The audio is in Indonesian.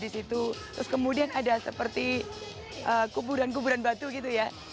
di situ terus kemudian ada seperti kuburan kuburan batu gitu ya